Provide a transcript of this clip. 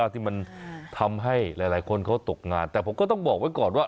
ที่มันทำให้หลายคนเขาตกงานแต่ผมก็ต้องบอกไว้ก่อนว่า